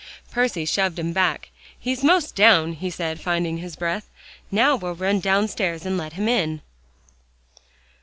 Percy shoved him back. "He's 'most down," he said, finding his breath. "Now we'll run downstairs and let him in."